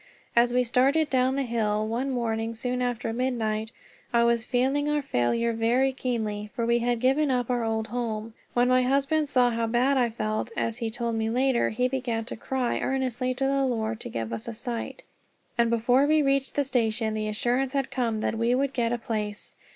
As we started down the hill, one morning soon after midnight, I was feeling our failure very keenly, for we had given up our old home. When my husband saw how bad I felt, as he told me later, he began to cry earnestly to the Lord to give us a site. And before we reached the station the assurance had come that we would get a place.